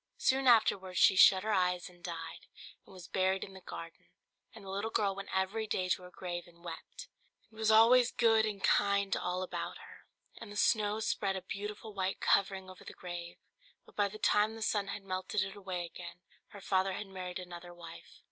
Soon afterwards she shut her eyes and died, and was buried in the garden; and the little girl went every day to her grave and wept, and was always good and kind to all about her. And the snow spread a beautiful white covering over the grave: but by the time the sun had melted it away again, her father had married another wife.